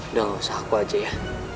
nggak usah aku aja ya